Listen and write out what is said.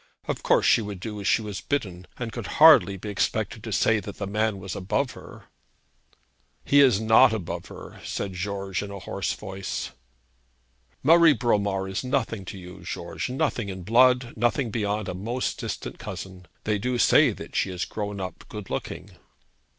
Of course, she would do as she was bidden, and could hardly be expected to say that the man was above her.' 'He is not above her,' said George in a hoarse voice. 'Marie Bromar is nothing to you, George; nothing in blood; nothing beyond a most distant cousin. They do say that she has grown up good looking.'